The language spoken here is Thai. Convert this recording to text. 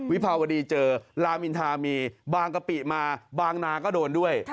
วิภาวดีเจอลามินทามีบางกะปิมาบางนาก็โดนด้วย